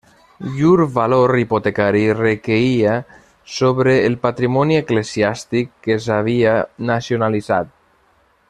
Llur valor hipotecari requeia sobre el patrimoni eclesiàstic que s'havia nacionalitzat.